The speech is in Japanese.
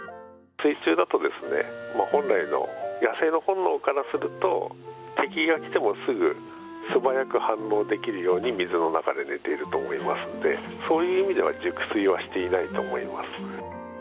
水中だと、本来の野生の本能からすると、敵が来てもすぐ素早く反応できるように、水の中で寝ていると思いますので、そういう意味では、熟睡はしていないと思います。